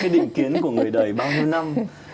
định kiến của người đời bao nhiêu năm